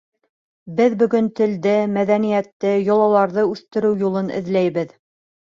— Беҙ бөгөн телде, мәҙәниәтте, йолаларҙы үҫтереү юлын эҙләйбеҙ.